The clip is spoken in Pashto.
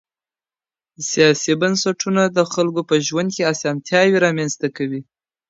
سياسي بنسټونه د خلګو په ژوند کي اسانتياوې رامنځته کوي.